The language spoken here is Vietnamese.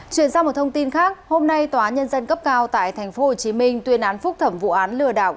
chuyển sang một thông tin khác hôm nay tòa nhân dân cấp cao tại tp hcm tuyên án phúc thẩm vụ án lừa đảo